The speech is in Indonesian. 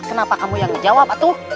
kenapa kamu yang menjawab